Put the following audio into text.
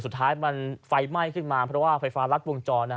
สุดท้ายมันไฟไหม้ขึ้นมาเพราะว่าไฟฟ้ารัดวงจร